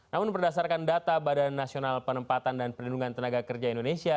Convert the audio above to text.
namun berdasarkan data badan nasional penempatan dan perlindungan tenaga kerja indonesia